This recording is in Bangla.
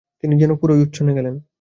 তিনি যেন পুরোই উচ্ছনে গেলেন।